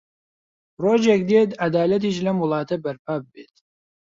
ڕۆژێک دێت عەدالەتیش لەم وڵاتە بەرپا ببێت.